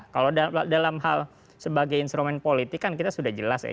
kalau dalam hal sebagai instrumen politik kan kita sudah jelas ya